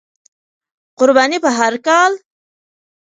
قرباني په هر کال،